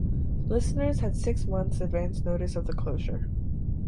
Listeners had six months advance notice of the closure.